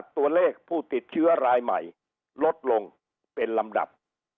ตัวเลขผู้ติดเชื้อรายใหม่ลดลงเป็นลำดับ